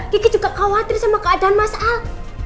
kiki juga khawatir sama keadaan mas al